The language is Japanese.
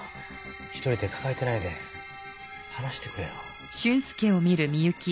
一人で抱えてないで話してくれよ。